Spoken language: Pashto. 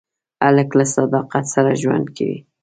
هلک له صداقت سره ژوند کوي.